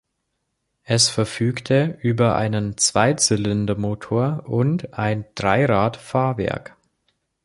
Es verfügte über einen Zweizylindermotor und ein Dreirad-Fahrwerk.